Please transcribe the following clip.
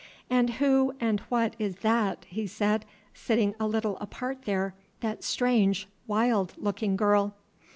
"And who and what is that," he said, "sitting a little apart there, that strange, wild looking girl?"